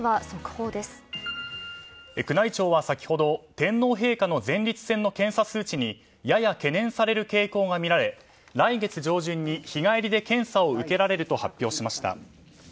宮内庁は先ほど、天皇陛下の前立腺の検査数値にやや懸念される傾向がみられ来月上旬に日帰りで検査を受けられると発表しました。